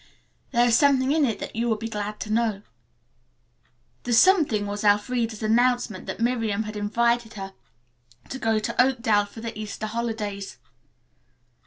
There is something in it that you will be glad to know." The "something" was Elfreda's announcement that Miriam had invited her to go to Oakdale for the Easter holidays.